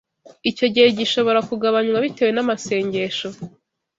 Icyo gihe gishobora kugabanywa bitewe n’amasengesho